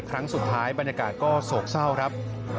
ครั้งสุดท้ายบรรยากาศก็โศกเศร้าครับ